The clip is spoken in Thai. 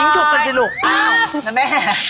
ใช่ค่ะค่ะ